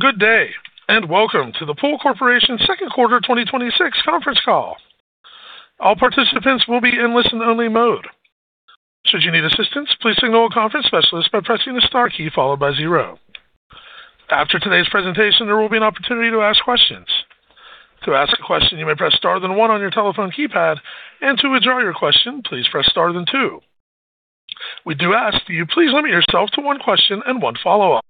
Good day, and welcome to the Pool Corporation second quarter 2026 conference call. All participants will be in listen-only mode. Should you need assistance, please signal a conference specialist by pressing the star key followed by zero. After today's presentation, there will be an opportunity to ask questions. To ask a question, you may press star then one on your telephone keypad, and to withdraw your question, please press star then two. We do ask you please limit yourself to one question and one follow-up.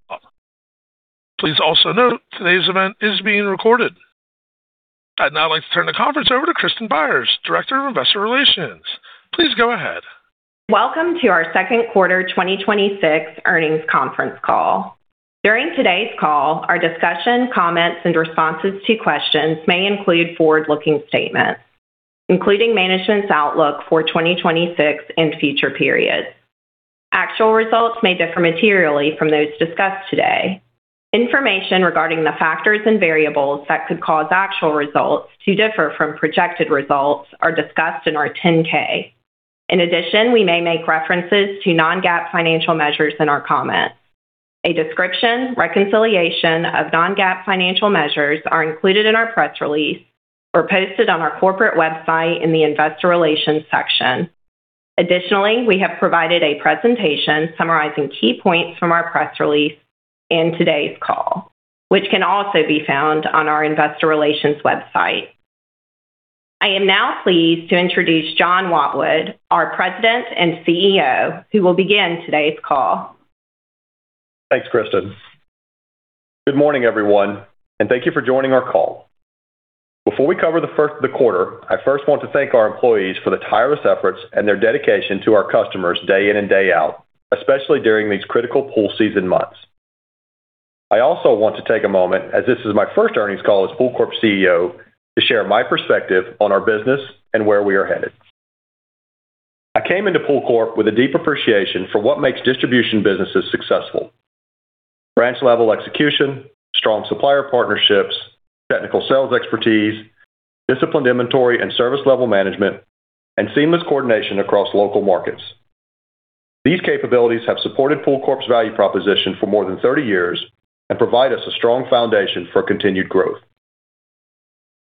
Please also note today's event is being recorded. I'd now like to turn the conference over to Kristin Byars, Director of Investor Relations. Please go ahead. Welcome to our second quarter 2026 earnings conference call. During today's call, our discussion, comments, and responses to questions may include forward-looking statements, including management's outlook for 2026 and future periods. Actual results may differ materially from those discussed today. Information regarding the factors and variables that could cause actual results to differ from projected results are discussed in our 10-K. In addition, we may make references to non-GAAP financial measures in our comments. A description, reconciliation of non-GAAP financial measures are included in our press release or posted on our corporate website in the investor relations section. Additionally, we have provided a presentation summarizing key points from our press release in today's call, which can also be found on our investor relations website. I am now pleased to introduce John Watwood, our President and CEO, who will begin today's call. Thanks, Kristin. Good morning, everyone, and thank you for joining our call. Before we cover the first of the quarter, I first want to thank our employees for their tireless efforts and their dedication to our customers day in and day out, especially during these critical pool season months. I also want to take a moment, as this is my first earnings call as PoolCorp CEO, to share my perspective on our business and where we are headed. I came into PoolCorp with a deep appreciation for what makes distribution businesses successful. Branch-level execution, strong supplier partnerships, technical sales expertise, disciplined inventory and service level management, and seamless coordination across local markets. These capabilities have supported PoolCorp's value proposition for more than 30 years and provide us a strong foundation for continued growth.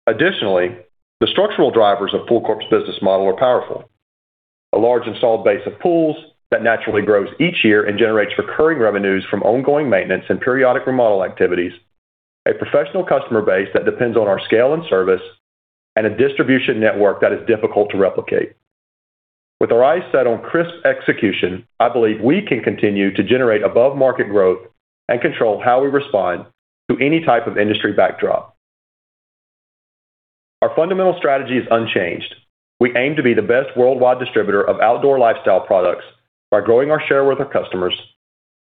Additionally, the structural drivers of PoolCorp's business model are powerful. A large installed base of pools that naturally grows each year and generates recurring revenues from ongoing maintenance and periodic remodel activities, a professional customer base that depends on our scale and service, and a distribution network that is difficult to replicate. With our eyes set on crisp execution, I believe we can continue to generate above-market growth and control how we respond to any type of industry backdrop. Our fundamental strategy is unchanged. We aim to be the best worldwide distributor of outdoor lifestyle products by growing our share with our customers,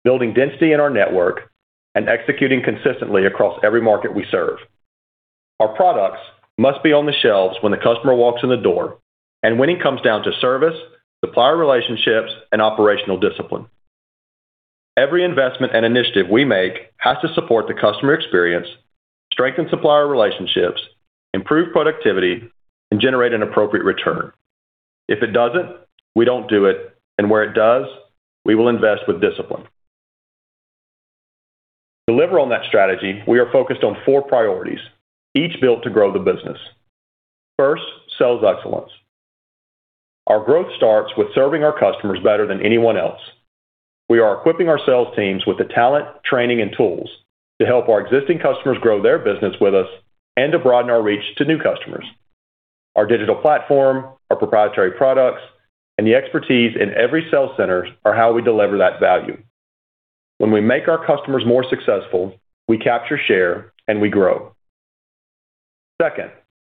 building density in our network, and executing consistently across every market we serve. Our products must be on the shelves when the customer walks in the door, and winning comes down to service, supplier relationships, and operational discipline. Every investment and initiative we make has to support the customer experience, strengthen supplier relationships, improve productivity, and generate an appropriate return. If it doesn't, we don't do it, and where it does, we will invest with discipline. To deliver on that strategy, we are focused on four priorities, each built to grow the business. First, sales excellence. Our growth starts with serving our customers better than anyone else. We are equipping our sales teams with the talent, training, and tools to help our existing customers grow their business with us and to broaden our reach to new customers. Our digital platform, our proprietary products, and the expertise in every sell center are how we deliver that value. When we make our customers more successful, we capture share and we grow. Second,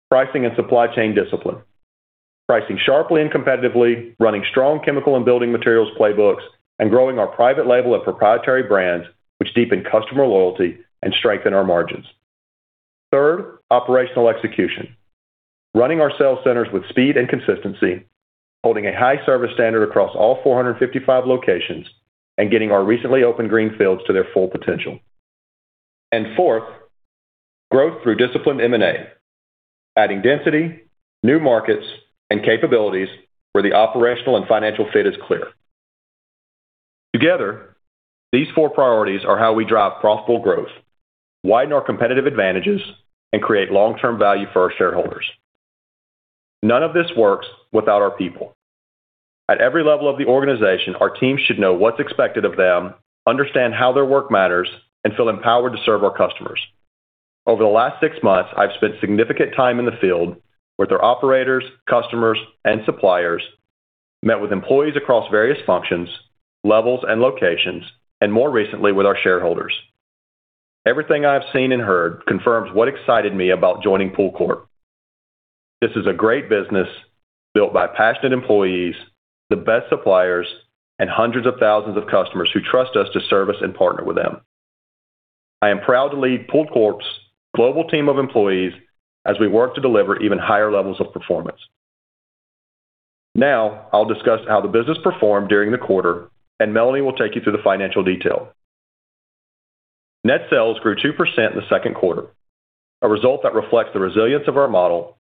pricing and supply chain discipline. Pricing sharply and competitively, running strong chemical and building materials playbooks, and growing our private label of proprietary brands, which deepen customer loyalty and strengthen our margins. Third, operational execution. Running our sales centers with speed and consistency, holding a high service standard across all 455 locations, and getting our recently opened greenfields to their full potential. Fourth, growth through disciplined M&A. Adding density, new markets, and capabilities where the operational and financial fit is clear. Together, these four priorities are how we drive profitable growth, widen our competitive advantages, and create long-term value for our shareholders. None of this works without our people. At every level of the organization, our teams should know what's expected of them, understand how their work matters, and feel empowered to serve our customers. Over the last six months, I've spent significant time in the field with our operators, customers, and suppliers, met with employees across various functions, levels, and locations, and more recently with our shareholders. Everything I have seen and heard confirms what excited me about joining PoolCorp. This is a great business built by passionate employees, the best suppliers, and hundreds of thousands of customers who trust us to service and partner with them. I am proud to lead PoolCorp's global team of employees as we work to deliver even higher levels of performance. Now, I'll discuss how the business performed during the quarter, and Melanie will take you through the financial detail. Net sales grew 2% in the second quarter, a result that reflects the resilience of our model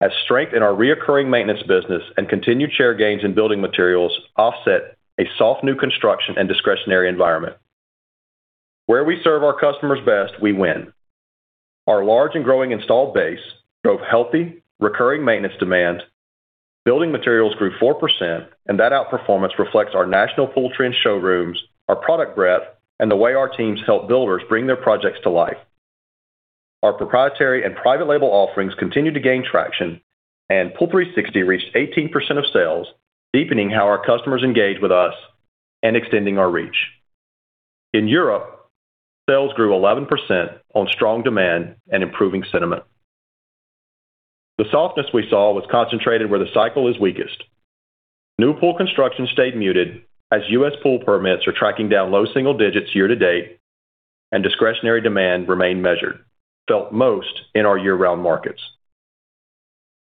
As strength in our recurring maintenance business and continued share gains in building materials offset a soft new construction and discretionary environment. Where we serve our customers best, we win. Our large and growing installed base drove healthy recurring maintenance demand. Building materials grew 4%, and that outperformance reflects our national pool trend showrooms, our product breadth, and the way our teams help builders bring their projects to life. Our proprietary and private label offerings continue to gain traction, and POOL360 reached 18% of sales, deepening how our customers engage with us and extending our reach. In Europe, sales grew 11% on strong demand and improving sentiment. The softness we saw was concentrated where the cycle is weakest. New pool construction stayed muted as U.S. pool permits are tracking down low single digits year-to-date, and discretionary demand remained measured, felt most in our year-round markets.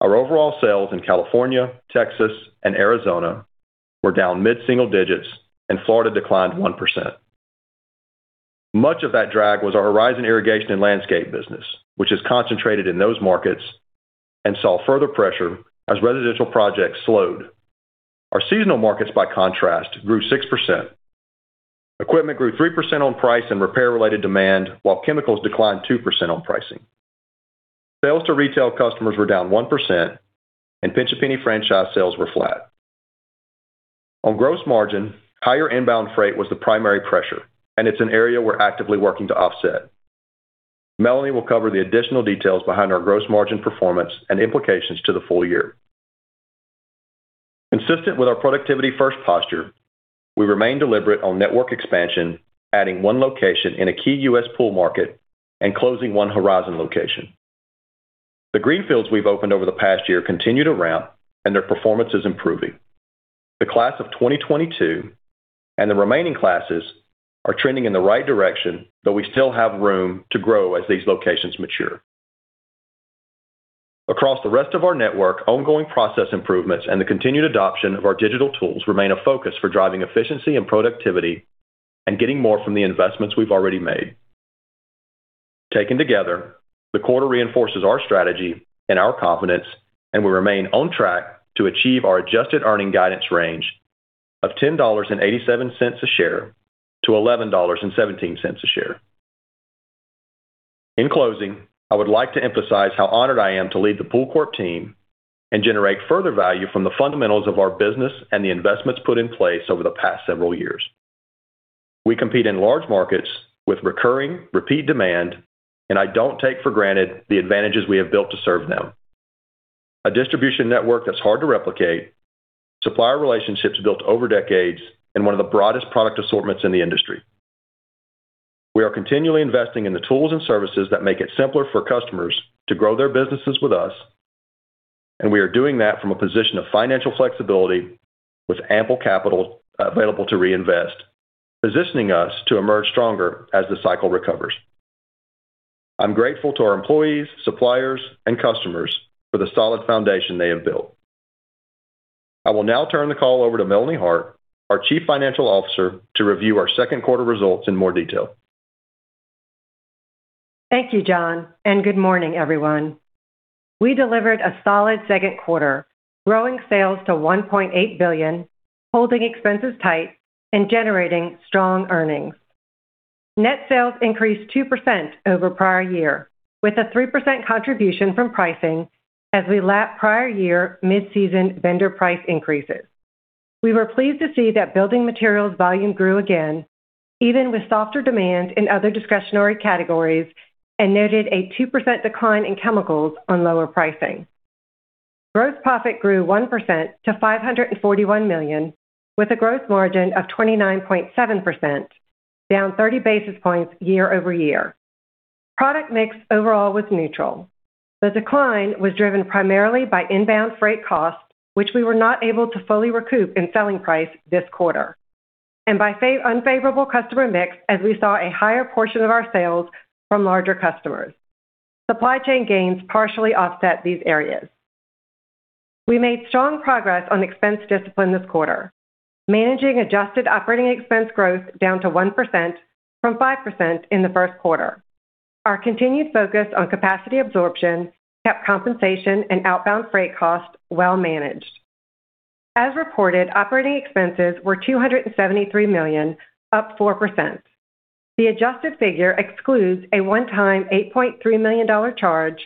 Our overall sales in California, Texas, and Arizona were down mid-single digits, and Florida declined 1%. Much of that drag was our Horizon irrigation and landscape business, which is concentrated in those markets and saw further pressure as residential projects slowed. Our seasonal markets, by contrast, grew 6%. Equipment grew 3% on price and repair-related demand, while chemicals declined 2% on pricing. Sales to retail customers were down 1%, and Pinch A Penny franchise sales were flat. On gross margin, higher inbound freight was the primary pressure, and it's an area we're actively working to offset. Melanie Hart will cover the additional details behind our gross margin performance and implications to the full-year. Consistent with our productivity-first posture, we remain deliberate on network expansion, adding one location in a key U.S. pool market and closing one Horizon location. The greenfields we've opened over the past year continue to ramp, and their performance is improving. The class of 2022 and the remaining classes are trending in the right direction, though we still have room to grow as these locations mature. Across the rest of our network, ongoing process improvements and the continued adoption of our digital tools remain a focus for driving efficiency and productivity and getting more from the investments we've already made. Taken together, the quarter reinforces our strategy and our confidence, and we remain on track to achieve our adjusted earning guidance range of $10.87 a share to $11.17 a share. In closing, I would like to emphasize how honored I am to lead the PoolCorp team and generate further value from the fundamentals of our business and the investments put in place over the past several years. We compete in large markets with recurring repeat demand, and I don't take for granted the advantages we have built to serve them. A distribution network that's hard to replicate, supplier relationships built over decades, and one of the broadest product assortments in the industry. We are continually investing in the tools and services that make it simpler for customers to grow their businesses with us, and we are doing that from a position of financial flexibility with ample capital available to reinvest, positioning us to emerge stronger as the cycle recovers. I'm grateful to our employees, suppliers, and customers for the solid foundation they have built. I will now turn the call over to Melanie Hart, our Chief Financial Officer, to review our second quarter results in more detail. Thank you, John, good morning, everyone. We delivered a solid second quarter, growing sales to $1.8 billion, holding expenses tight, and generating strong earnings. Net sales increased 2% over prior year, with a 3% contribution from pricing as we lap prior-year mid-season vendor price increases. We were pleased to see that building materials volume grew again, even with softer demand in other discretionary categories, and noted a 2% decline in chemicals on lower pricing. Gross profit grew 1% to $541 million with a gross margin of 29.7%, down 30 basis points year-over-year. Product mix overall was neutral. The decline was driven primarily by inbound freight costs, which we were not able to fully recoup in selling price this quarter, and by unfavorable customer mix, as we saw a higher portion of our sales from larger customers. Supply chain gains partially offset these areas. We made strong progress on expense discipline this quarter, managing adjusted operating expense growth down to 1% from 5% in the first quarter. Our continued focus on capacity absorption kept compensation and outbound freight costs well managed. As reported, operating expenses were $273 million, up 4%. The adjusted figure excludes a one-time $8.3 million charge,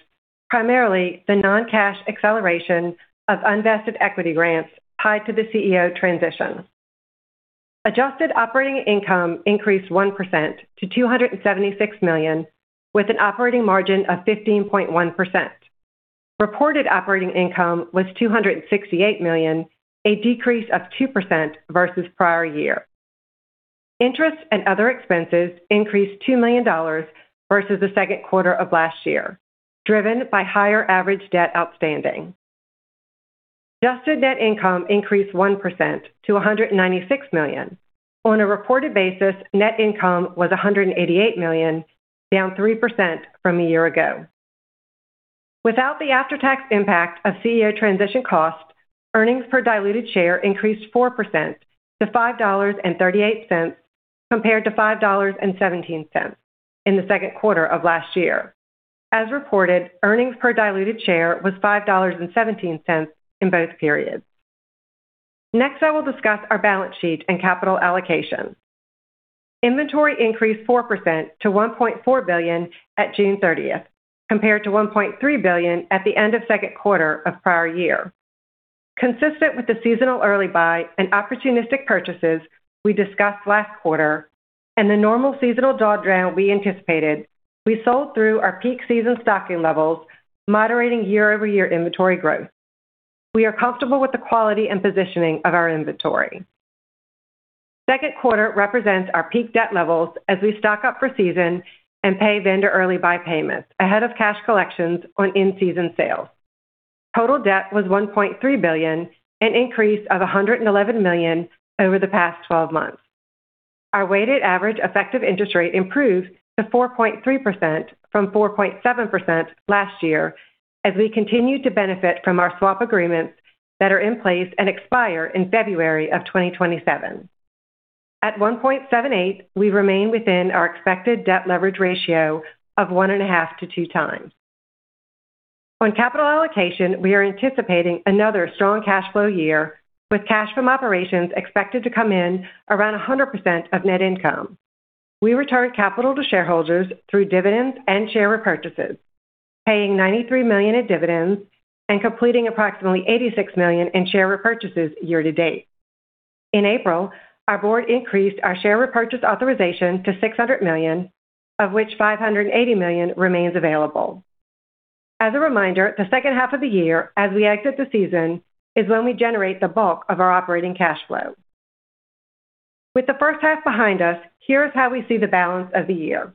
primarily the non-cash acceleration of unvested equity grants tied to the CEO transition. Adjusted operating income increased 1% to $276 million, with an operating margin of 15.1%. Reported operating income was $268 million, a decrease of 2% versus prior year. Interest and other expenses increased $2 million versus the second quarter of last year, driven by higher average debt outstanding. Adjusted net income increased 1% to $196 million. On a reported basis, net income was $188 million, down 3% from a year ago. Without the after-tax impact of CEO transition costs, earnings per diluted share increased 4% to $5.38. Compared to $5.17 in the second quarter of last year. As reported, earnings per diluted share was $5.17 in both periods. I will discuss our balance sheet and capital allocation. Inventory increased 4% to $1.4 billion at June 30th, compared to $1.3 billion at the end of second quarter of prior year. Consistent with the seasonal early buy and opportunistic purchases we discussed last quarter, and the normal seasonal draw down we anticipated, we sold through our peak season stocking levels, moderating year-over-year inventory growth. We are comfortable with the quality and positioning of our inventory. Second quarter represents our peak debt levels as we stock up for season and pay vendor early buy payments ahead of cash collections on in-season sales. Total debt was $1.3 billion, an increase of $111 million over the past 12 months. Our weighted average effective interest rate improved to 4.3% from 4.7% last year, as we continue to benefit from our swap agreements that are in place and expire in February of 2027. At 1.78, we remain within our expected debt leverage ratio of 1.5x-2x. On capital allocation, we are anticipating another strong cash flow year, with cash from operations expected to come in around 100% of net income. We returned capital to shareholders through dividends and share repurchases, paying $93 million in dividends and completing approximately $86 million in share repurchases year-to-date. In April, our board increased our share repurchase authorization to $600 million, of which $580 million remains available. As a reminder, the second half of the year, as we exit the season, is when we generate the bulk of our operating cash flow. With the first half behind us, here is how we see the balance of the year.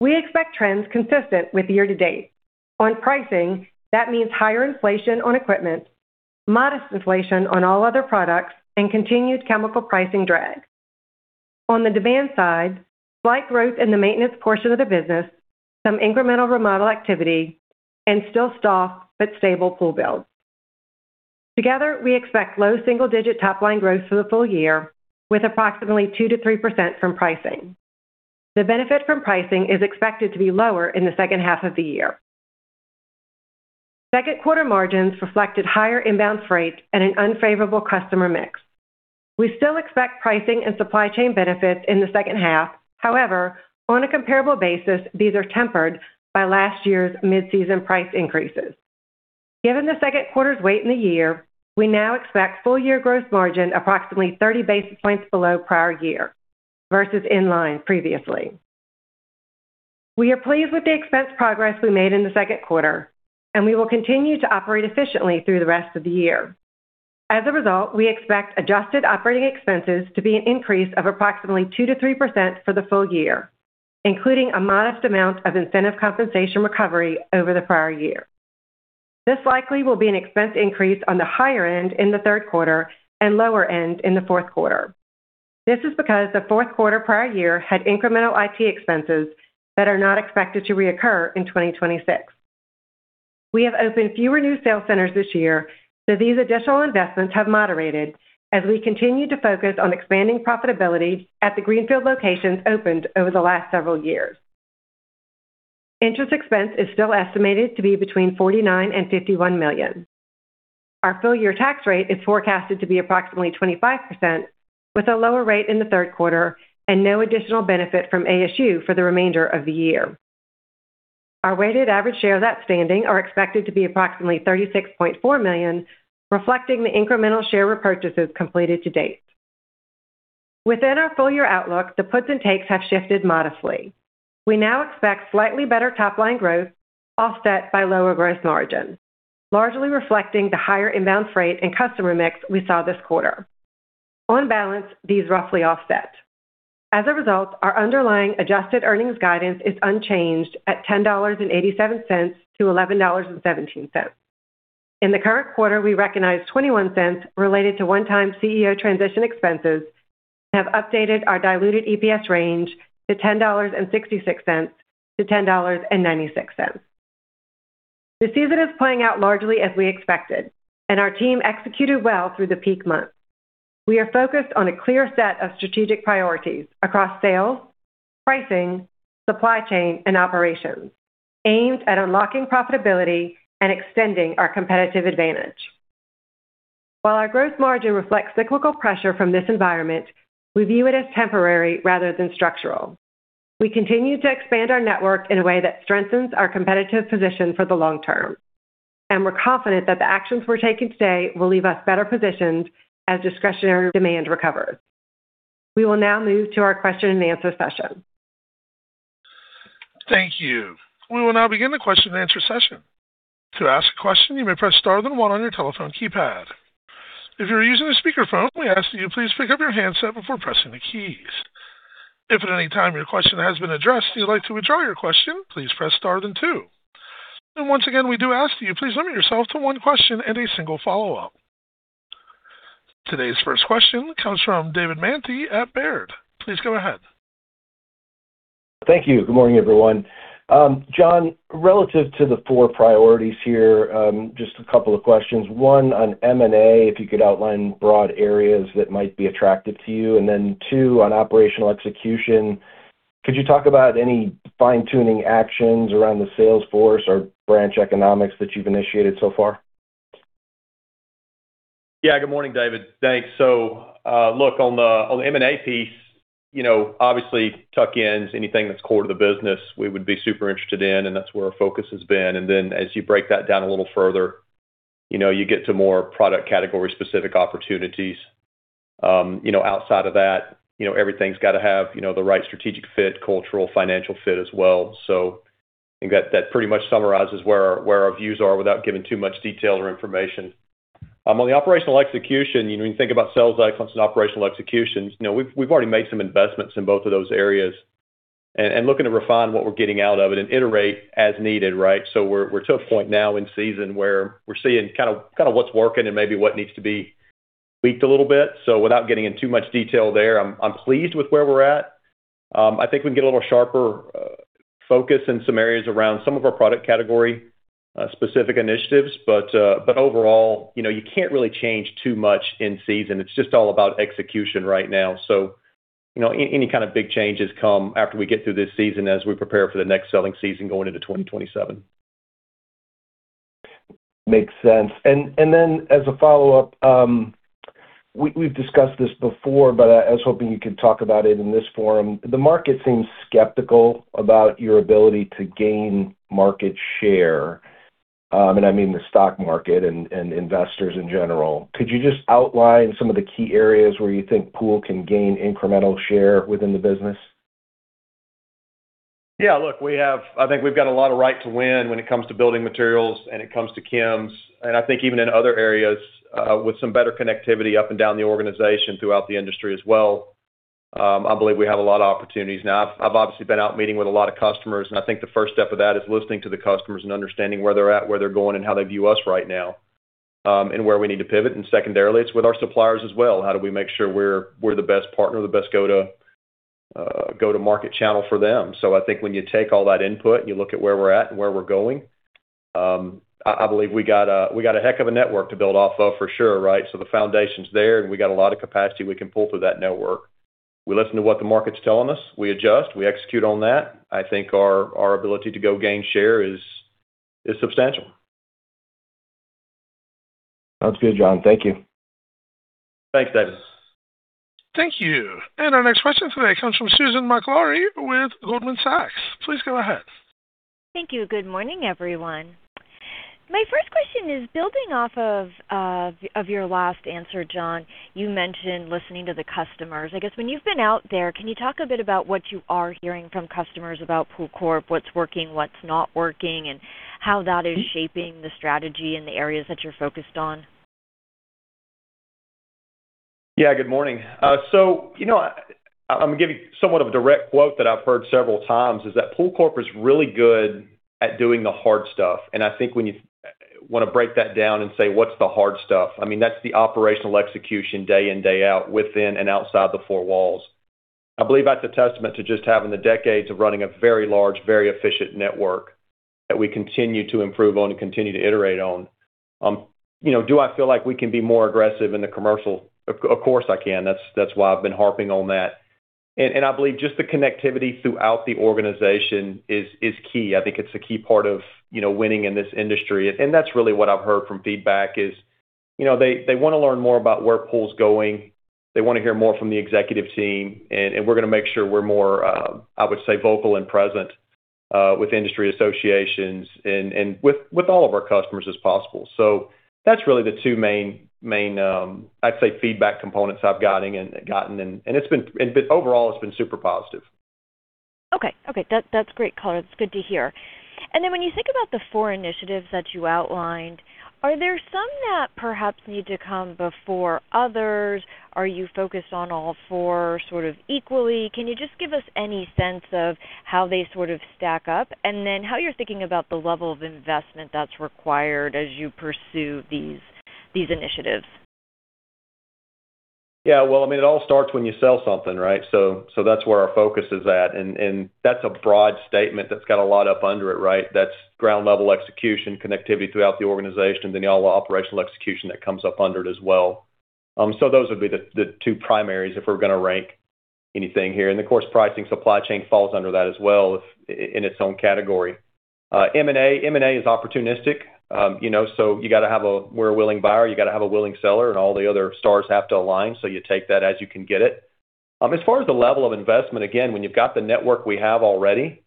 We expect trends consistent with year-to-date. On pricing, that means higher inflation on equipment, modest inflation on all other products, and continued chemical pricing drag. On the demand side, slight growth in the maintenance portion of the business, some incremental remodel activity, and still soft, but stable pool builds. Together, we expect low single-digit top-line growth for the full-year, with approximately 2%-3% from pricing. The benefit from pricing is expected to be lower in the second half of the year. Second quarter margins reflected higher inbound freight and an unfavorable customer mix. We still expect pricing and supply chain benefits in the second half. However, on a comparable basis, these are tempered by last year's mid-season price increases. Given the second quarter's weight in the year, we now expect full-year gross margin approximately 30 basis points below prior year, versus in line previously. We are pleased with the expense progress we made in the second quarter, and we will continue to operate efficiently through the rest of the year. As a result, we expect adjusted operating expenses to be an increase of approximately 2%-3% for the full-year, including a modest amount of incentive compensation recovery over the prior year. This likely will be an expense increase on the higher end in the third quarter and lower end in the fourth quarter. This is because the fourth quarter prior year had incremental IT expenses that are not expected to reoccur in 2026. We have opened fewer new sales centers this year. These additional investments have moderated as we continue to focus on expanding profitability at the greenfield locations opened over the last several years. Interest expense is still estimated to be between $49 million and $51 million. Our full-year tax rate is forecasted to be approximately 25%, with a lower rate in the third quarter and no additional benefit from ASU for the remainder of the year. Our weighted average shares outstanding are expected to be approximately 36.4 million, reflecting the incremental share repurchases completed to date. Within our full-year outlook, the puts and takes have shifted modestly. We now expect slightly better top-line growth, offset by lower gross margin, largely reflecting the higher inbound freight and customer mix we saw this quarter. On balance, these roughly offset. As a result, our underlying adjusted earnings guidance is unchanged at $10.87-$11.17. In the current quarter, we recognized $0.21 related to one-time CEO transition expenses and have updated our diluted EPS range to $10.66-$10.96. The season is playing out largely as we expected, and our team executed well through the peak months. We are focused on a clear set of strategic priorities across sales, pricing, supply chain, and operations aimed at unlocking profitability and extending our competitive advantage. While our gross margin reflects cyclical pressure from this environment, we view it as temporary rather than structural. We continue to expand our network in a way that strengthens our competitive position for the long term, and we're confident that the actions we're taking today will leave us better positioned as discretionary demand recovers. We will now move to our question-and-answer session. Thank you. We will now begin the question-and-answer session. To ask a question, you may press star then one on your telephone keypad. If you're using a speakerphone, we ask that you please pick up your handset before pressing the keys. If at any time your question has been addressed and you'd like to withdraw your question, please press star then two. Once again, we do ask that you please limit yourself to one question and a single follow-up. Today's first question comes from David Manthey at Baird. Please go ahead. Thank you. Good morning, everyone. John, relative to the four priorities here, just a couple of questions. One, on M&A, if you could outline broad areas that might be attractive to you. Then two, on operational execution, could you talk about any fine-tuning actions around the sales force or branch economics that you've initiated so far? Yeah. Good morning, David. Thanks. Look, on the M&A piece, obviously tuck-ins, anything that's core to the business, we would be super interested in, and that's where our focus has been. Then as you break that down a little further, you get to more product category specific opportunities. Outside of that, everything's got to have the right strategic fit, cultural, financial fit as well. I think that pretty much summarizes where our views are without giving too much detail or information. On the operational execution, when you think about sales excellence and operational executions, we've already made some investments in both of those areas and looking to refine what we're getting out of it and iterate as needed, right? We're to a point now in season where we're seeing kind of what's working and maybe what needs to be tweaked a little bit. Without getting in too much detail there, I'm pleased with where we're at. I think we can get a little sharper focus in some areas around some of our product category specific initiatives. Overall, you can't really change too much in-season. It's just all about execution right now. Any kind of big changes come after we get through this season as we prepare for the next selling season going into 2027. Makes sense. As a follow-up, we've discussed this before, but I was hoping you could talk about it in this forum. The market seems skeptical about your ability to gain market share, and I mean the stock market and investors in general. Could you just outline some of the key areas where you think Pool can gain incremental share within the business? Yeah, look, I think we've got a lot of right to win when it comes to building materials and it comes to chems. I think even in other areas, with some better connectivity up and down the organization throughout the industry as well, I believe we have a lot of opportunities. I've obviously been out meeting with a lot of customers, and I think the first step of that is listening to the customers and understanding where they're at, where they're going, and how they view us right now, and where we need to pivot. Secondarily, it's with our suppliers as well. How do we make sure we're the best partner or the best go-to-market channel for them? I think when you take all that input and you look at where we're at and where we're going, I believe we got a heck of a network to build off of for sure, right? The foundation's there, and we got a lot of capacity we can pull through that network. We listen to what the market's telling us, we adjust, we execute on that. I think our ability to go gain share is substantial. Sounds good, John. Thank you. Thanks, David. Thank you. Our next question today comes from Susan Maklari with Goldman Sachs. Please go ahead. Thank you. Good morning, everyone. My first question is building off of your last answer, John. You mentioned listening to the customers. I guess when you've been out there, can you talk a bit about what you are hearing from customers about PoolCorp, what's working, what's not working, and how that is shaping the strategy and the areas that you're focused on? Yeah. Good morning. I'm giving somewhat of a direct quote that I've heard several times is that PoolCorp is really good at doing the hard stuff. I think when you want to break that down and say, "What's the hard stuff?" I mean, that's the operational execution day in, day out, within and outside the four walls. I believe that's a testament to just having the decades of running a very large, very efficient network that we continue to improve on and continue to iterate on. Do I feel like we can be more aggressive in the commercial? Of course, I can. That's why I've been harping on that. I believe just the connectivity throughout the organization is key. I think it's a key part of winning in this industry. That's really what I've heard from feedback is, they want to learn more about where Pool's going. They want to hear more from the executive team. We're going to make sure we're more, I would say, vocal and present with industry associations and with all of our customers as possible. That's really the two main, I'd say, feedback components I've gotten, and overall it's been super positive. Okay. That's great color. It's good to hear. Then when you think about the four initiatives that you outlined, are there some that perhaps need to come before others? Are you focused on all four sort of equally? Can you just give us any sense of how they sort of stack up, and then how you're thinking about the level of investment that's required as you pursue these initiatives? Yeah. Well, I mean, it all starts when you sell something, right? That's where our focus is at. That's a broad statement that's got a lot up under it, right? That's ground level execution, connectivity throughout the organization, then all the operational execution that comes up under it as well. Those would be the two primaries if we're going to rank anything here. Of course, pricing supply chain falls under that as well in its own category. M&A is opportunistic. You got to have a willing buyer, you got to have a willing seller. All the other stars have to align. You take that as you can get it. As far as the level of investment, again, when you've got the network we have already,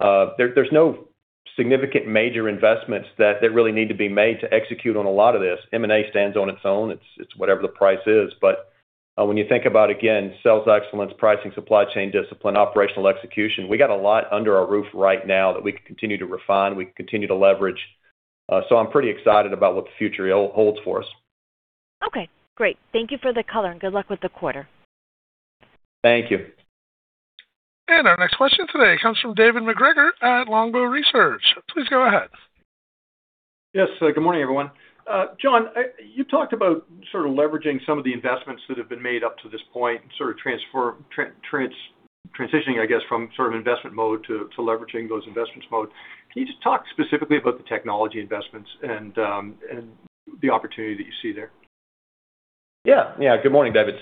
there's no significant major investments that really need to be made to execute on a lot of this. M&A stands on its own. It's whatever the price is. When you think about, again, sales excellence, pricing, supply chain discipline, operational execution, we got a lot under our roof right now that we can continue to refine, we can continue to leverage. I'm pretty excited about what the future holds for us. Okay, great. Thank you for the color, and good luck with the quarter. Thank you. Our next question today comes from David MacGregor at Longbow Research. Please go ahead. Yes. Good morning, everyone. John, you talked about sort of leveraging some of the investments that have been made up to this point and sort of transitioning, I guess, from sort of investment mode to leveraging those investments mode. Can you just talk specifically about the technology investments and the opportunity that you see there? Good morning, David.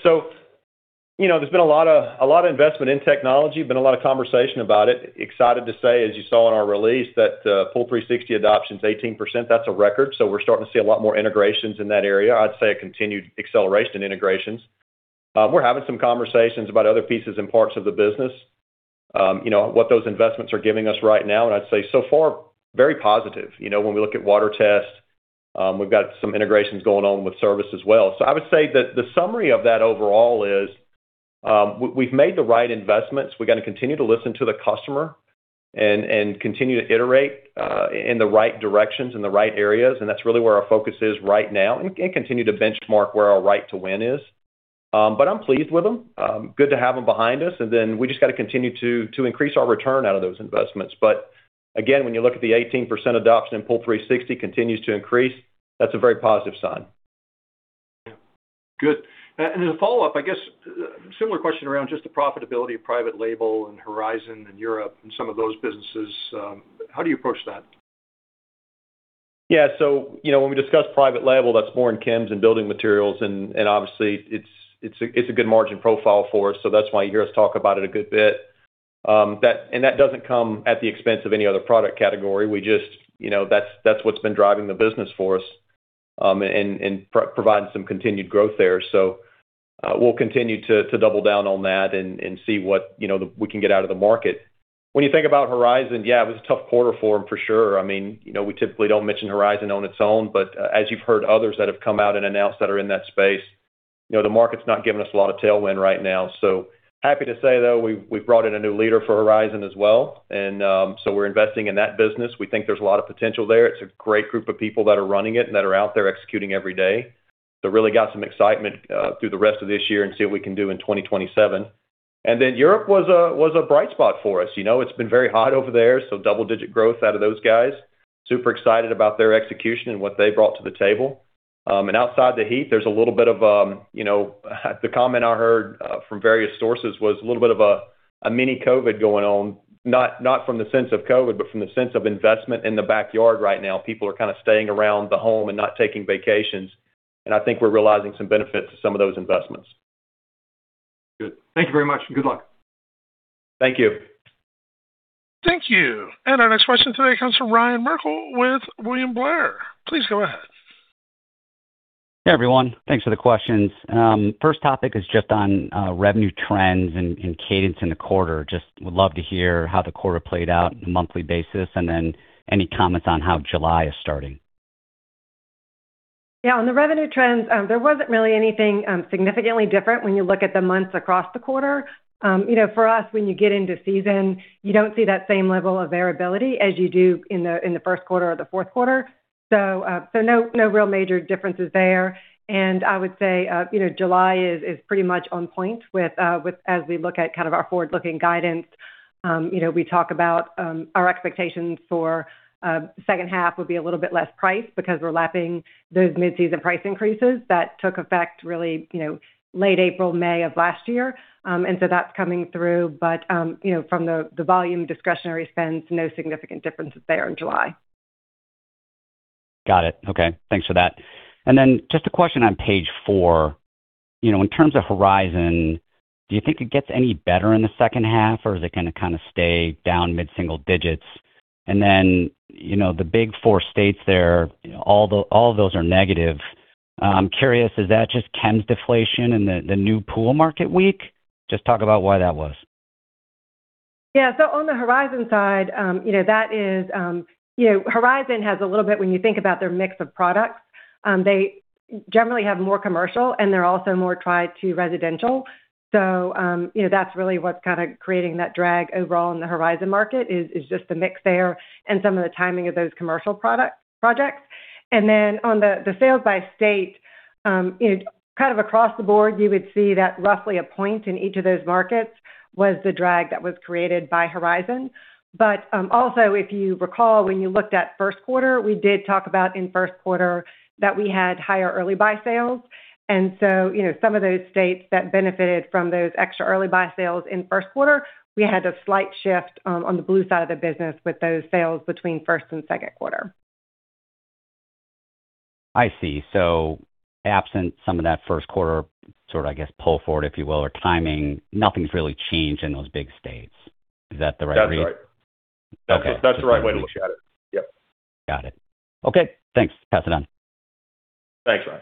There's been a lot of investment in technology, been a lot of conversation about it. Excited to say, as you saw in our release, that POOL360 adoption is 18%. That's a record. We're starting to see a lot more integrations in that area. I'd say a continued acceleration in integrations. We're having some conversations about other pieces and parts of the business, what those investments are giving us right now, and I'd say so far, very positive. When we look at POOL360 WaterTest, we've got some integrations going on with service as well. I would say that the summary of that overall is we've made the right investments. We've got to continue to listen to the customer and continue to iterate in the right directions, in the right areas. That's really where our focus is right now, and continue to benchmark where our right to win is. I'm pleased with them. Good to have them behind us. We just got to continue to increase our return out of those investments. Again, when you look at the 18% adoption in POOL360 continues to increase, that's a very positive sign. Yeah. Good. As a follow-up, I guess, similar question around just the profitability of private label and Horizon and Europe and some of those businesses. How do you approach that? Yeah, when we discuss private label, that's more in chems and building materials, and obviously it's a good margin profile for us. That's why you hear us talk about it a good bit. That doesn't come at the expense of any other product category. That's what's been driving the business for us and providing some continued growth there. We'll continue to double down on that and see what we can get out of the market. When you think about Horizon, yeah, it was a tough quarter for them for sure. We typically don't mention Horizon on its own, but as you've heard others that have come out and announced that are in that space, the market's not giving us a lot of tailwind right now. Happy to say, though, we've brought in a new leader for Horizon as well. We're investing in that business. We think there's a lot of potential there. It's a great group of people that are running it and that are out there executing every day. Really got some excitement through the rest of this year and see what we can do in 2027. Europe was a bright spot for us. It's been very hot over there, double-digit growth out of those guys. Super excited about their execution and what they brought to the table. Outside the heat, the comment I heard from various sources was a little bit of a mini-COVID going on, not from the sense of COVID, but from the sense of investment in the backyard right now. People are kind of staying around the home and not taking vacations, and I think we're realizing some benefit to some of those investments. Good. Thank you very much, and good luck. Thank you. Thank you. Our next question today comes from Ryan Merkel with William Blair. Please go ahead. Hey, everyone. Thanks for the questions. First topic is just on revenue trends and cadence in the quarter. Just would love to hear how the quarter played out on a monthly basis, any comments on how July is starting. Yeah, on the revenue trends, there wasn't really anything significantly different when you look at the months across the quarter. For us, when you get into season, you don't see that same level of variability as you do in the first quarter or the fourth quarter. No real major differences there. I would say July is pretty much on point as we look at kind of our forward-looking guidance. We talk about our expectations for second half would be a little bit less price because we're lapping those mid-season price increases that took effect really late April, May of last year. That's coming through, but from the volume discretionary spends, no significant differences there in July. Got it. Okay. Thanks for that. Just a question on page four. In terms of Horizon, do you think it gets any better in the second half, or is it going to kind of stay down mid-single digits? The big four states there, all of those are negative. I'm curious, is that just chems deflation and the new pool market weak? Just talk about why that was. Yeah. On the Horizon side, Horizon has a little bit when you think about their mix of products. They generally have more commercial, and they're also more tied to residential. That's really what's kind of creating that drag overall in the Horizon market, is just the mix there and some of the timing of those commercial projects. On the sales by state, kind of across the board, you would see that roughly a point in each of those markets was the drag that was created by Horizon. If you recall, when you looked at first quarter, we did talk about in first quarter that we had higher early-buy sales. Some of those states that benefited from those extra early-buy sales in first quarter, we had a slight shift on the blue side of the business with those sales between first and second quarter. I see. Absent some of that first quarter sort of, I guess, pull forward, if you will, or timing, nothing's really changed in those big states. Is that the right read? That's right. Okay. That's the right way to look at it. Yep. Got it. Okay, thanks. Pass it on. Thanks, Ryan.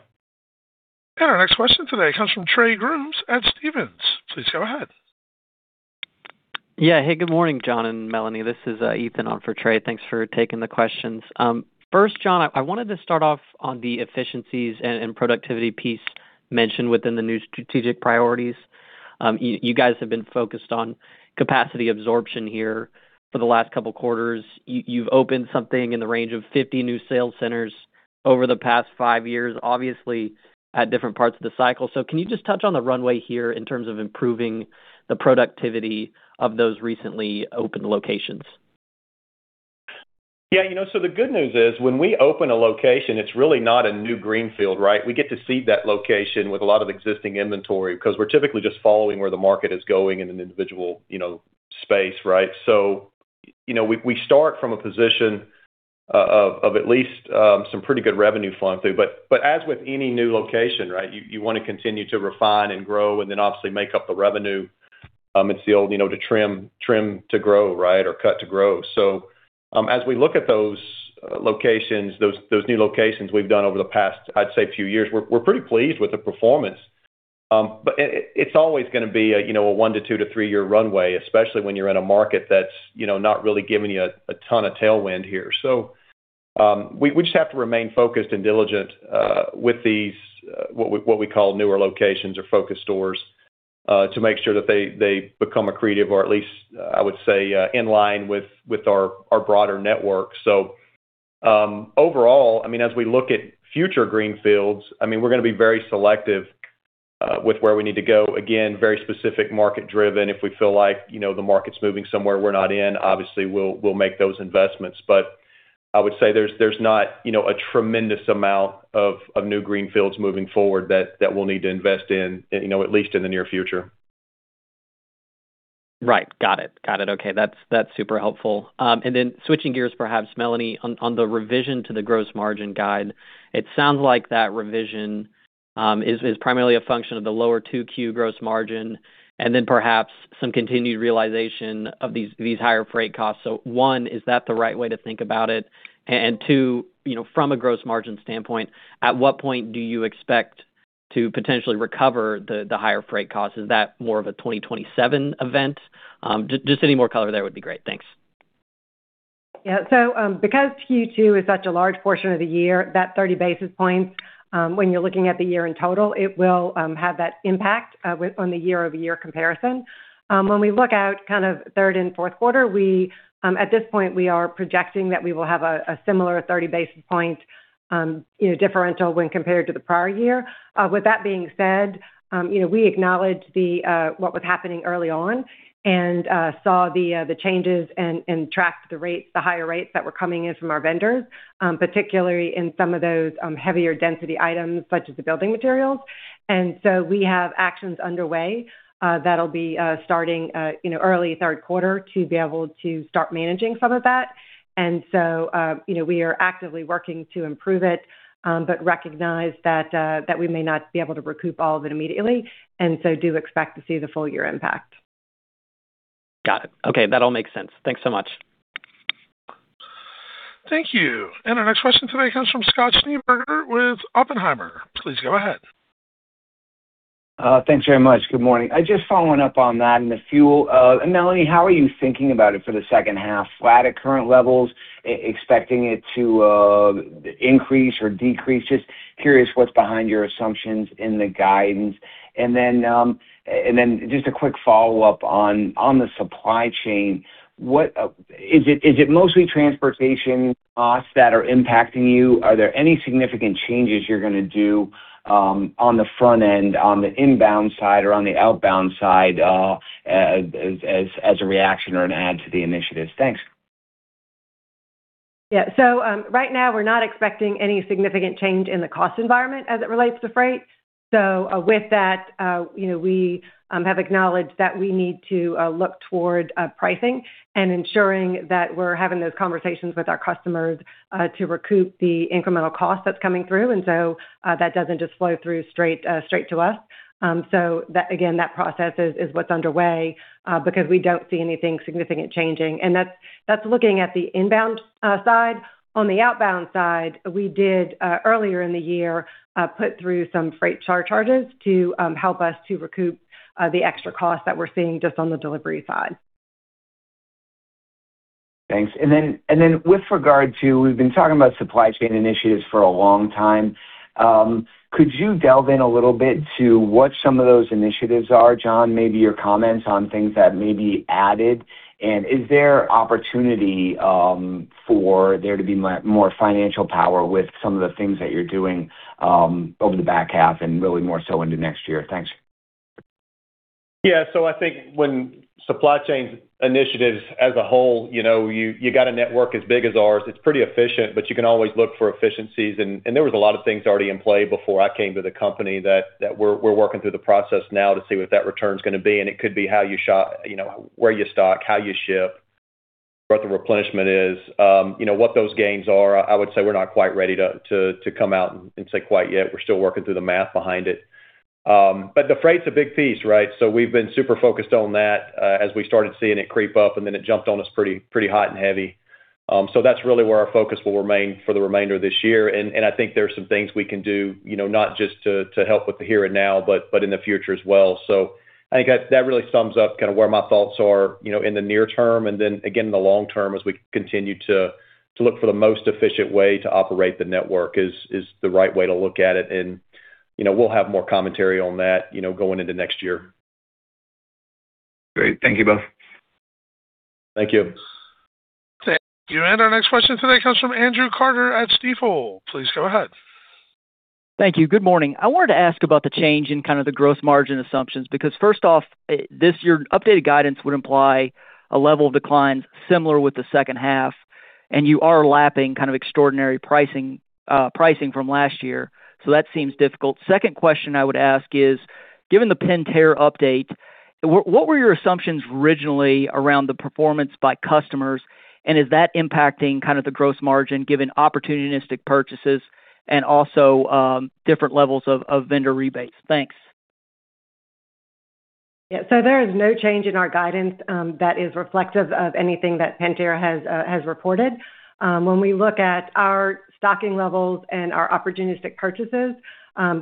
Our next question today comes from Trey Grooms at Stephens. Please go ahead. Yeah. Hey, good morning, John and Melanie. This is Ethan on for Trey. Thanks for taking the questions. First, John, I wanted to start off on the efficiencies and productivity piece mentioned within the new strategic priorities. You guys have been focused on capacity absorption here for the last couple of quarters. You've opened something in the range of 50 new sales centers Over the past five years, obviously at different parts of the cycle. Can you just touch on the runway here in terms of improving the productivity of those recently opened locations? Yeah. The good news is, when we open a location, it's really not a new greenfield. We get to seed that location with a lot of existing inventory because we're typically just following where the market is going in an individual space, right? We start from a position of at least some pretty good revenue flowing through. As with any new location, you want to continue to refine and grow and then obviously make up the revenue. It's the old trim to grow or cut to grow. As we look at those new locations we've done over the past, I'd say, few years, we're pretty pleased with the performance. It's always going to be a one to two to three-year runway, especially when you're in a market that's not really giving you a ton of tailwind here. We just have to remain focused and diligent with these, what we call newer locations or focus stores, to make sure that they become accretive or at least, I would say, in line with our broader network. Overall, as we look at future greenfields, we're going to be very selective with where we need to go. Again, very specific market-driven. If we feel like the market's moving somewhere we're not in, obviously we'll make those investments. I would say there's not a tremendous amount of new greenfields moving forward that we'll need to invest in, at least in the near future. Right. Got it. Okay. That's super helpful. Switching gears, perhaps, Melanie, on the revision to the gross margin guide, it sounds like that revision is primarily a function of the lower 2Q gross margin, then perhaps some continued realization of these higher freight costs. One, is that the right way to think about it? Two, from a gross margin standpoint, at what point do you expect to potentially recover the higher freight costs? Is that more of a 2027 event? Just any more color there would be great. Thanks. Yeah. Because Q2 is such a large portion of the year, that 30 basis points, when you're looking at the year in total, it will have that impact on the year-over-year comparison. When we look out kind of third and fourth quarter, at this point, we are projecting that we will have a similar 30 basis point differential when compared to the prior year. With that being said, we acknowledge what was happening early on and saw the changes and tracked the higher rates that were coming in from our vendors, particularly in some of those heavier density items such as the building materials. We have actions underway that'll be starting early third quarter to be able to start managing some of that. We are actively working to improve it, but recognize that we may not be able to recoup all of it immediately. Do expect to see the full-year impact. Got it. Okay. That all makes sense. Thanks so much. Thank you. Our next question today comes from Scott Schneeberger with Oppenheimer. Please go ahead. Thanks very much. Good morning. Just following up on that in the fuel. Melanie, how are you thinking about it for the second half? Flat at current levels, expecting it to increase or decrease? Just curious what's behind your assumptions in the guidance. Just a quick follow-up on the supply chain. Is it mostly transportation costs that are impacting you? Are there any significant changes you're going to do on the front end, on the inbound side, or on the outbound side as a reaction or an add to the initiatives? Thanks. Right now we're not expecting any significant change in the cost environment as it relates to freight. With that, we have acknowledged that we need to look toward pricing and ensuring that we're having those conversations with our customers to recoup the incremental cost that's coming through. That doesn't just flow through straight to us. Again, that process is what's underway because we don't see anything significant changing. That's looking at the inbound side. On the outbound side, we did, earlier in the year, put through some freight surcharges to help us to recoup the extra cost that we're seeing just on the delivery side. Thanks. With regard to, we've been talking about supply chain initiatives for a long time. Could you delve in a little bit to what some of those initiatives are, John? Maybe your comments on things that may be added. Is there opportunity for there to be more financial power with some of the things that you're doing over the back half and really more so into next year? Thanks. Yeah. I think when supply chain initiatives as a whole, you got a network as big as ours, it's pretty efficient, but you can always look for efficiencies. There was a lot of things already in play before I came to the company that we're working through the process now to see what that return's going to be. It could be where you stock, how you ship, what the replenishment is, what those gains are. I would say we're not quite ready to come out and say quite yet. We're still working through the math behind it. The freight's a big piece, right? We've been super focused on that as we started seeing it creep up, and then it jumped on us pretty hot and heavy. That's really where our focus will remain for the remainder of this year. I think there are some things we can do, not just to help with the here and now, but in the future as well. I think that really sums up kind of where my thoughts are in the near term and then again in the long term as we continue to look for the most efficient way to operate the network is the right way to look at it. We'll have more commentary on that going into next year. Great. Thank you both. Thank you. Thank you. Our next question today comes from Andrew Carter at Stifel. Please go ahead. Thank you. Good morning. I wanted to ask about the change in kind of the gross margin assumptions, because first off, this year updated guidance would imply a level of declines similar with the second half, and you are lapping kind of extraordinary pricing from last year. That seems difficult. Second question I would ask is, given the Pentair update, what were your assumptions originally around the performance by customers? Is that impacting kind of the gross margin, given opportunistic purchases and also different levels of vendor rebates? Thanks. Yeah. There is no change in our guidance that is reflective of anything that Pentair has reported. When we look at our stocking levels and our opportunistic purchases,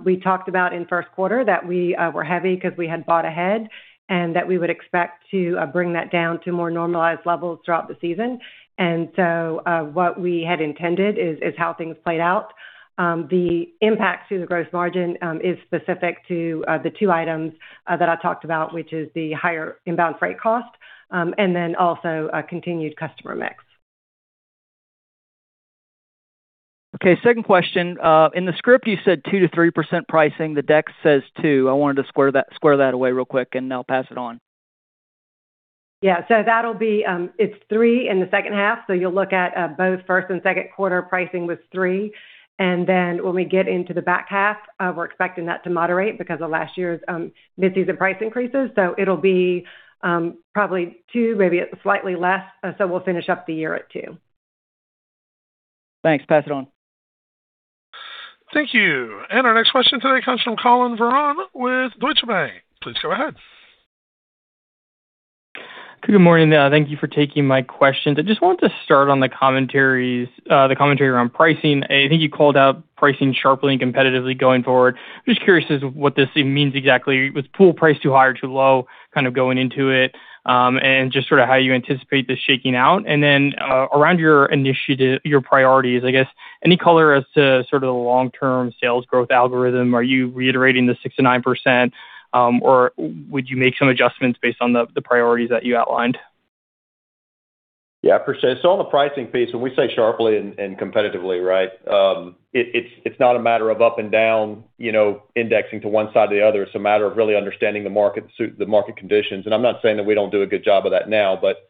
we talked about in first quarter that we were heavy because we had bought ahead and that we would expect to bring that down to more normalized levels throughout the season. What we had intended is how things played out. The impact to the gross margin is specific to the two items that I talked about, which is the higher inbound freight cost, and then also continued customer mix. Okay. Second question. In the script, you said 2%-3% pricing. The deck says 2%. I wanted to square that away real quick and I'll pass it on. Yeah. That'll be, it's three in the second half. You'll look at both first and second quarter pricing was three, and then when we get into the back half, we're expecting that to moderate because of last year's mid-season price increases. It'll be probably two, maybe slightly less. We'll finish up the year at two. Thanks. Pass it on. Thank you. Our next question today comes from Collin Verron with Deutsche Bank. Please go ahead. Good morning. Thank you for taking my questions. I just wanted to start on the commentary around pricing. I think you called out pricing sharply and competitively going forward. Just curious as what this means exactly. Was pool price too high or too low kind of going into it? Just sort of how you anticipate this shaking out. Around your initiative, your priorities, I guess, any color as to sort of the long-term sales growth algorithm. Are you reiterating the 6%-9%, or would you make some adjustments based on the priorities that you outlined? Yeah, for sure. On the pricing piece, when we say sharply and competitively, right? It's not a matter of up and down indexing to one side or the other. It's a matter of really understanding the market conditions. I'm not saying that we don't do a good job of that now, but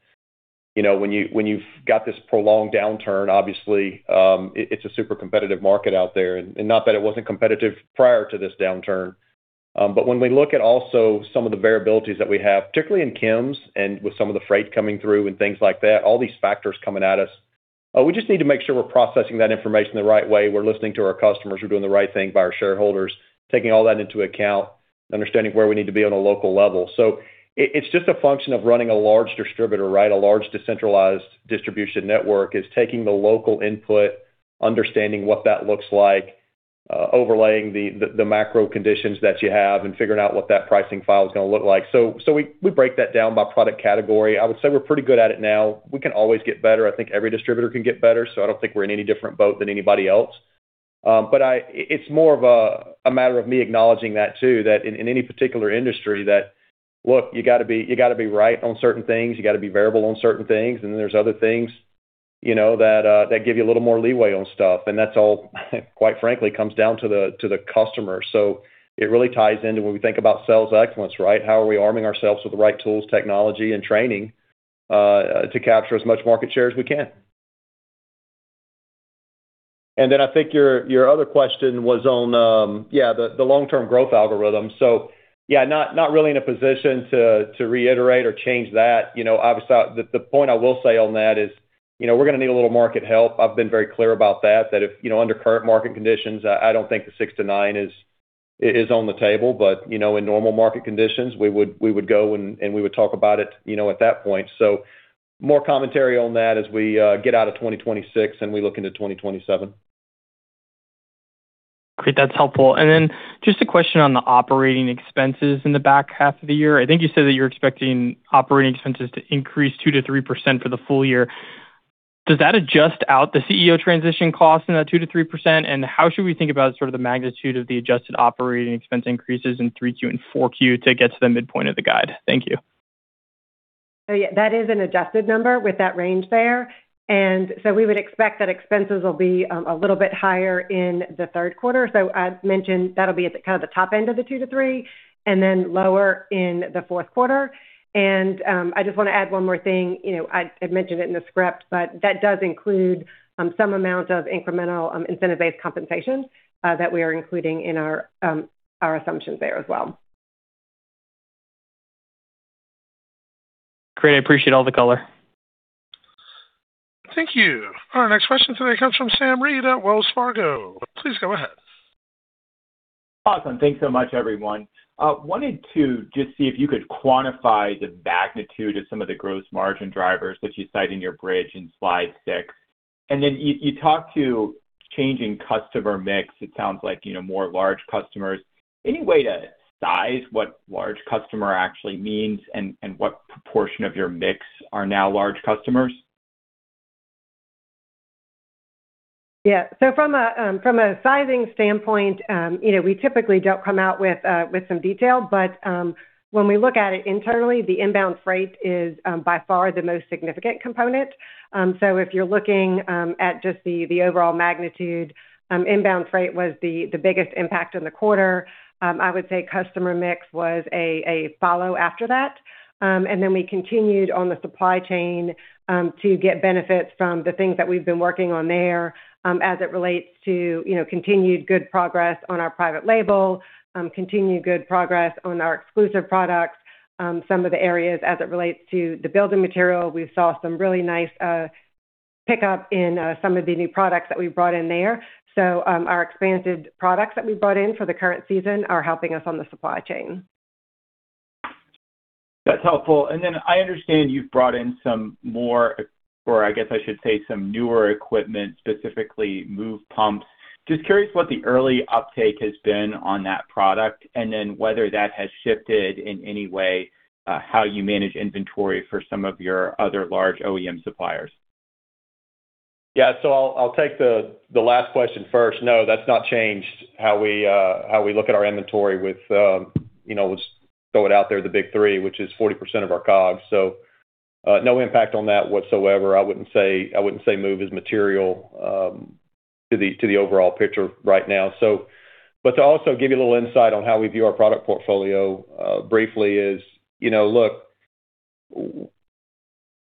when you've got this prolonged downturn, obviously, it's a super competitive market out there. Not that it wasn't competitive prior to this downturn, but when we look at also some of the variabilities that we have, particularly in chems and with some of the freight coming through and things like that, all these factors coming at us, we just need to make sure we're processing that information the right way. We're listening to our customers, we're doing the right thing by our shareholders, taking all that into account, understanding where we need to be on a local level. It's just a function of running a large distributor, right? A large decentralized distribution network is taking the local input, understanding what that looks like, overlaying the macro conditions that you have, and figuring out what that pricing file is going to look like. We break that down by product category. I would say we're pretty good at it now. We can always get better. I think every distributor can get better. I don't think we're in any different boat than anybody else. It's more of a matter of me acknowledging that too, that in any particular industry that look, you got to be right on certain things, you got to be variable on certain things, and then there's other things that give you a little more leeway on stuff. That's all quite frankly, comes down to the customer. It really ties into when we think about sales excellence, right? How are we arming ourselves with the right tools, technology, and training to capture as much market share as we can? Then I think your other question was on, yeah, the long-term growth algorithm. Yeah, not really in a position to reiterate or change that. Obviously, the point I will say on that is we're going to need a little market help. I've been very clear about that if under current market conditions, I don't think the six to nine is on the table, but in normal market conditions, we would go, and we would talk about it at that point. More commentary on that as we get out of 2026 and we look into 2027. Great. That's helpful. Then just a question on the operating expenses in the back half of the year. I think you said that you're expecting operating expenses to increase 2%-3% for the full-year. Does that adjust out the CEO transition cost in that 2%-3%? How should we think about sort of the magnitude of the adjusted operating expense increases in 3Q and 4Q to get to the midpoint of the guide? Thank you. Yeah, that is an adjusted number with that range there. We would expect that expenses will be a little bit higher in the third quarter. As mentioned, that'll be at kind of the top end of the 2%-3% and then lower in the fourth quarter. I just want to add one more thing. I mentioned it in the script, but that does include some amount of incremental incentive-based compensation that we are including in our assumptions there as well. Great. I appreciate all the color. Thank you. Our next question today comes from Sam Reid at Wells Fargo. Please go ahead. Awesome. Thanks so much, everyone. Wanted to just see if you could quantify the magnitude of some of the gross margin drivers that you cite in your bridge in slide six. You talked to changing customer mix. It sounds like more large customers. Any way to size what large customer actually means and what proportion of your mix are now large customers? Yeah. From a sizing standpoint, we typically don't come out with some detail, but when we look at it internally, the inbound freight is by far the most significant component. If you're looking at just the overall magnitude, inbound freight was the biggest impact on the quarter. I would say customer mix was a follow after that. We continued on the supply chain to get benefits from the things that we've been working on there as it relates to continued good progress on our private label, continued good progress on our exclusive products. Some of the areas as it relates to the building material, we saw some really nice pickup in some of the new products that we brought in there. Our expanded products that we brought in for the current season are helping us on the supply chain. That's helpful. I understand you've brought in some more, or I guess I should say, some newer equipment, specifically move pumps. Just curious what the early uptake has been on that product, and then whether that has shifted in any way how you manage inventory for some of your other large OEM suppliers. Yeah. I'll take the last question first. No, that's not changed how we look at our inventory with, we'll throw it out there, the big three, which is 40% of our COGS. No impact on that whatsoever. I wouldn't say move is material to the overall picture right now. To also give you a little insight on how we view our product portfolio, briefly is, look,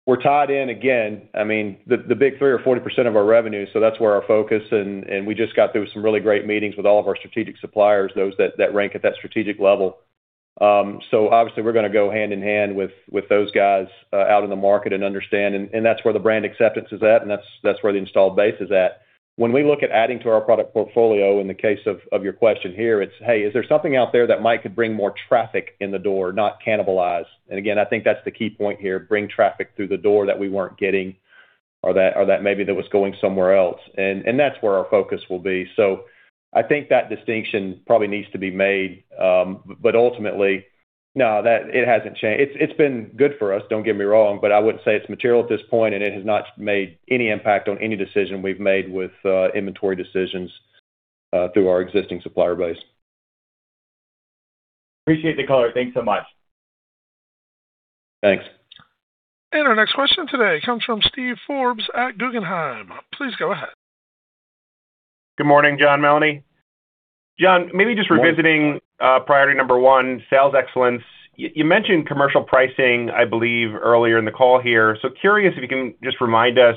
we're tied in again, the big 30% or 40% of our revenue, that's where our focus, we just got through some really great meetings with all of our strategic suppliers, those that rank at that strategic level. Obviously we're going to go hand in hand with those guys out in the market and understand, that's where the brand acceptance is at, and that's where the installed base is at. When we look at adding to our product portfolio, in the case of your question here, it's, hey, is there something out there that might could bring more traffic in the door, not cannibalize? Again, I think that's the key point here, bring traffic through the door that we weren't getting, or that maybe that was going somewhere else. That's where our focus will be. I think that distinction probably needs to be made. Ultimately, no, it hasn't changed. It's been good for us, don't get me wrong, but I wouldn't say it's material at this point, and it has not made any impact on any decision we've made with inventory decisions through our existing supplier base. Appreciate the color. Thanks so much. Thanks. Our next question today comes from Steven Forbes at Guggenheim. Please go ahead. Good morning, John, Melanie. John, maybe just revisiting priority number one, sales excellence. You mentioned commercial pricing, I believe, earlier in the call here. Curious if you can just remind us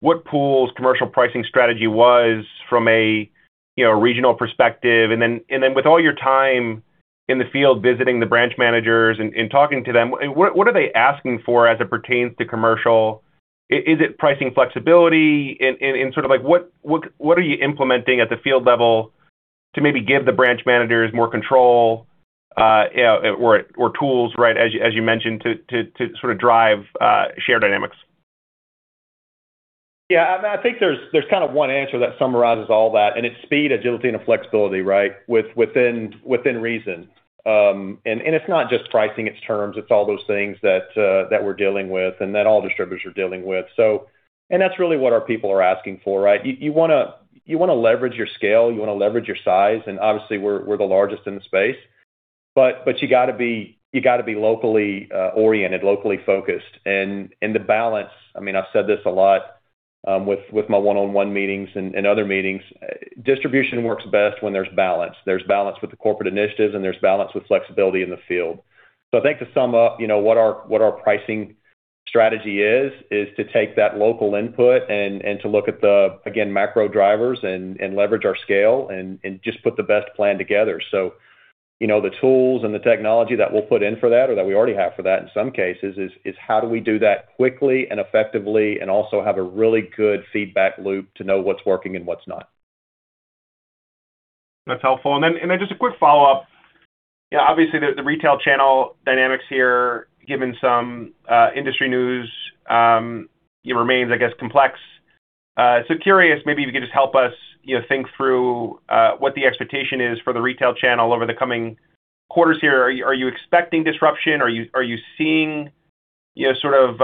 what Pool's commercial pricing strategy was from a regional perspective. Then with all your time in the field visiting the branch managers and talking to them, what are they asking for as it pertains to commercial? Is it pricing flexibility? What are you implementing at the field level to maybe give the branch managers more control or tools, as you mentioned, to drive share dynamics? I think there's one answer that summarizes all that, and it's speed, agility, and flexibility, right? Within reason. It's not just pricing, it's terms, it's all those things that we're dealing with, and that all distributors are dealing with. That's really what our people are asking for. You want to leverage your scale, you want to leverage your size, and obviously, we're the largest in the space. You got to be locally oriented, locally focused. The balance, I've said this a lot with my one-on-one meetings and other meetings, distribution works best when there's balance. There's balance with the corporate initiatives, and there's balance with flexibility in the field. I think to sum up what our pricing strategy is to take that local input and to look at the, again, macro drivers and leverage our scale and just put the best plan together. The tools and the technology that we'll put in for that or that we already have for that in some cases is how do we do that quickly and effectively and also have a really good feedback loop to know what's working and what's not. That's helpful. Then just a quick follow-up. Obviously, the retail channel dynamics here, given some industry news, it remains, I guess, complex. Curious, maybe if you could just help us think through what the expectation is for the retail channel over the coming quarters here. Are you expecting disruption? Are you seeing disruptive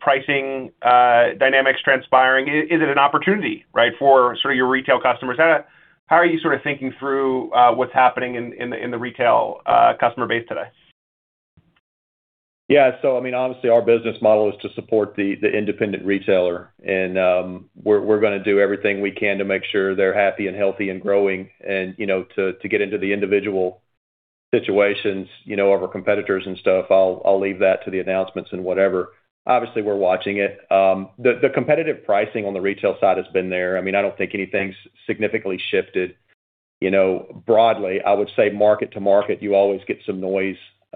pricing dynamics transpiring? Is it an opportunity for your retail customers? How are you thinking through what's happening in the retail customer base today? Yeah. Obviously our business model is to support the independent retailer. We're going to do everything we can to make sure they're happy and healthy and growing and to get into the individual situations of our competitors and stuff. I'll leave that to the announcements and whatever. Obviously, we're watching it. The competitive pricing on the retail side has been there. I don't think anything's significantly shifted. Broadly, I would say market to market, you always get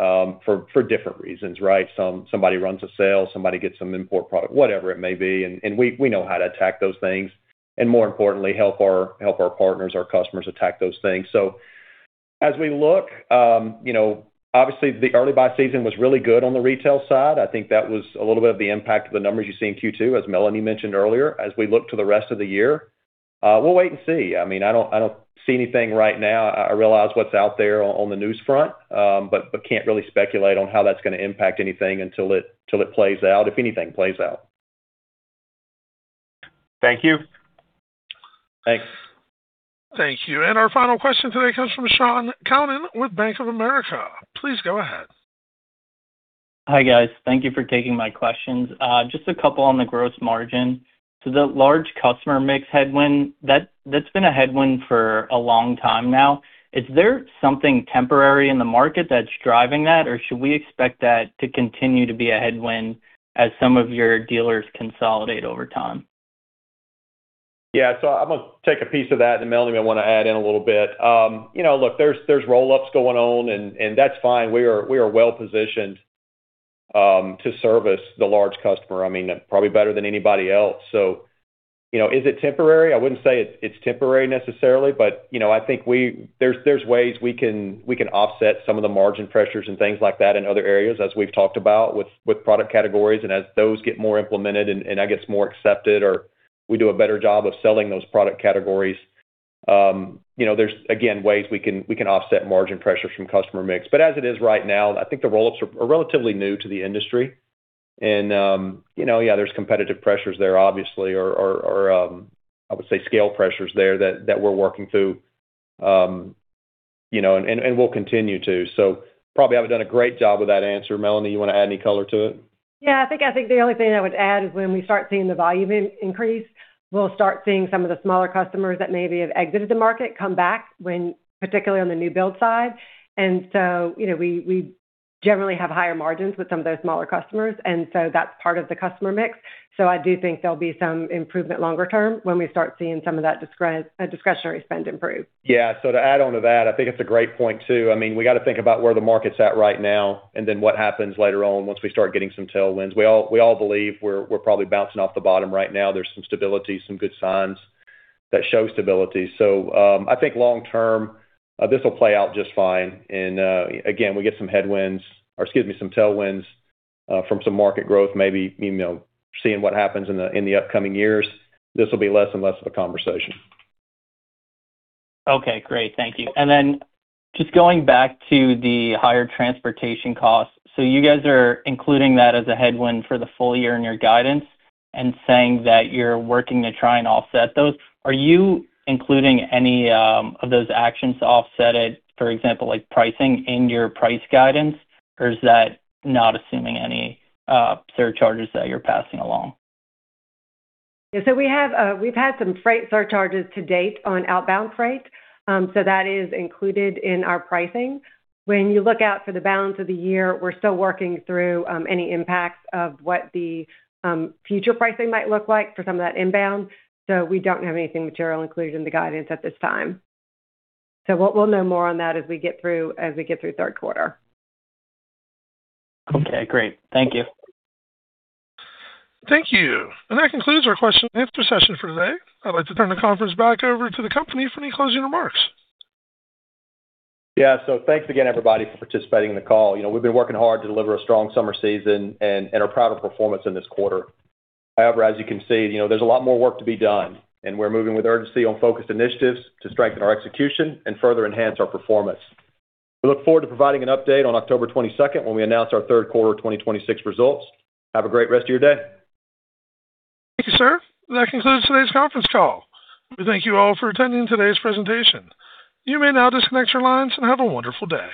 some noise for different reasons. Somebody runs a sale, somebody gets some import product, whatever it may be, and we know how to attack those things, and more importantly, help our partners, our customers attack those things. As we look, obviously the early buy season was really good on the retail side. I think that was a little bit of the impact of the numbers you see in Q2, as Melanie mentioned earlier. As we look to the rest of the year We'll wait and see. I don't see anything right now. I realize what's out there on the news front, but can't really speculate on how that's going to impact anything until it plays out, if anything plays out. Thank you. Thanks. Thank you. Our final question today comes from Shaun Calnan with Bank of America. Please go ahead. Hi, guys. Thank you for taking my questions. Just a couple on the gross margin. The large customer mix headwind, that's been a headwind for a long time now. Is there something temporary in the market that's driving that? Should we expect that to continue to be a headwind as some of your dealers consolidate over time? I'm going to take a piece of that, and Melanie may want to add in a little bit. There's roll-ups going on, and that's fine. We are well-positioned to service the large customer, probably better than anybody else. Is it temporary? I wouldn't say it's temporary necessarily. I think there's ways we can offset some of the margin pressures and things like that in other areas, as we've talked about with product categories, and as those get more implemented and that gets more accepted, or we do a better job of selling those product categories. There's, again, ways we can offset margin pressures from customer mix. As it is right now, I think the roll-ups are relatively new to the industry, and there's competitive pressures there, obviously, or I would say scale pressures there that we're working through, and we'll continue to. Probably haven't done a great job with that answer. Melanie, you want to add any color to it? I think the only thing I would add is when we start seeing the volume increase, we'll start seeing some of the smaller customers that maybe have exited the market come back, particularly on the new build side. We generally have higher margins with some of those smaller customers, and that's part of the customer mix. I do think there'll be some improvement longer term when we start seeing some of that discretionary spend improve. To add on to that, I think it's a great point, too. We got to think about where the market's at right now, what happens later on once we start getting some tailwinds. We all believe we're probably bouncing off the bottom right now. There's some stability, some good signs that show stability. I think long term, this will play out just fine. Again, we get some headwinds, or excuse me, some tailwinds from some market growth, maybe seeing what happens in the upcoming years. This will be less and less of a conversation. Okay, great. Thank you. Just going back to the higher transportation costs. You guys are including that as a headwind for the full-year in your guidance and saying that you're working to try and offset those. Are you including any of those actions to offset it, for example, like pricing in your price guidance, or is that not assuming any surcharges that you're passing along? We've had some freight surcharges to date on outbound freight. That is included in our pricing. When you look out for the balance of the year, we're still working through any impacts of what the future pricing might look like for some of that inbound. We don't have anything material included in the guidance at this time. We'll know more on that as we get through third quarter. Okay, great. Thank you. Thank you. That concludes our question-and-answer session for today. I'd like to turn the conference back over to the company for any closing remarks. Thanks again, everybody, for participating in the call. We've been working hard to deliver a strong summer season and are proud of performance in this quarter. However, as you can see, there's a lot more work to be done, and we're moving with urgency on focused initiatives to strengthen our execution and further enhance our performance. We look forward to providing an update on October 22nd when we announce our third quarter 2026 results. Have a great rest of your day. Thank you, sir. That concludes today's conference call. We thank you all for attending today's presentation. You may now disconnect your lines and have a wonderful day.